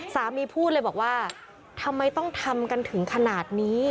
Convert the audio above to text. พูดเลยบอกว่าทำไมต้องทำกันถึงขนาดนี้